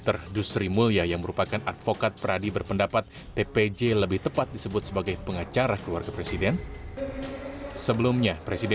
tim khusus begini